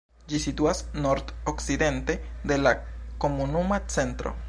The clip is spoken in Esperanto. Ĝi situas nord-okcidente de la komunuma centro.